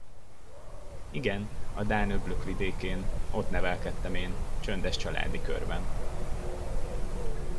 Igen, a dán öblök vidékén, ott nevelkedtem én, csöndes családi körben.